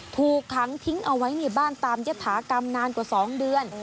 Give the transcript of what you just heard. ถูกขังทิ้งเอาไว้ในบ้านตามยฐากรรมนานกว่า๒เดือน